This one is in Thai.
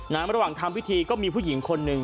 ระหว่างทำพิธีก็มีผู้หญิงคนหนึ่ง